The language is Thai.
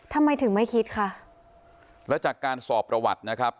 ทำไมถึงไม่คิดค่ะแล้วจากการสอบประวัตินะครับ